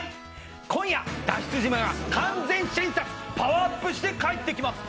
今夜、「脱出島」がパワーアップして帰ってきます。